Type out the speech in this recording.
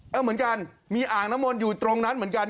เหมือนกันมีอ่างน้ำมนต์อยู่ตรงนั้นเหมือนกัน